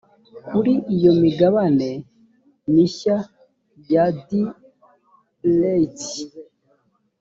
kuri iyo migabane mishya ya d reit